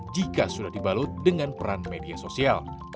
jika sudah dibalut dengan peran media sosial